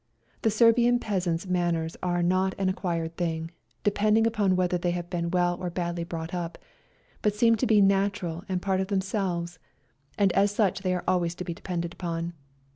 The Serbian peasant's manners are not an acquired thing, de pending upon whether they have been well or badly brought up, but seem to be natural and part of themselves, and as such are always to be depended upon.